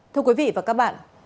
thưa quý vị và các bạn